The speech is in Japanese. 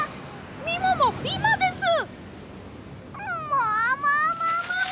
ももももも！